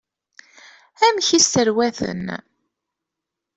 Amek i sserwaten?